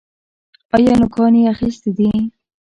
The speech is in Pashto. ایا نوکان یې اخیستي دي؟